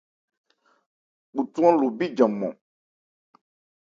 Khuthwán lo bíjan mɔn.